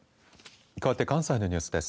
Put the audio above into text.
かわって関西のニュースです。